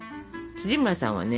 村さんはね